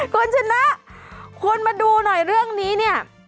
คุณชนะคุณมาดูหน่อยเรื่องนี้เนี่ย